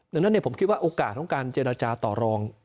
ดังนั้นผมคิดว่าโอกาสของการเจรจาต่อรอง